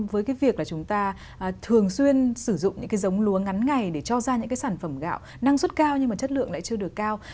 với cái việc là chúng ta thường xuyên sử dụng những cái giống lúa ngắn ngày để cho ra những cái sản phẩm gạo năng suất cao nhưng mà chất lượng lại chưa được cao